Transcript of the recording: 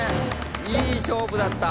いい勝負だった。